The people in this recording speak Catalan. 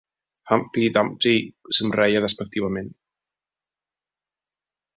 Humpty Dumpty somreia despectivament.